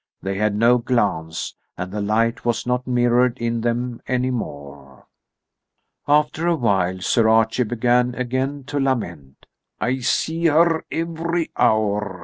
They had no glance, and the light was not mirrored in them any more. After a while Sir Archie began again to lament. "I see her every hour.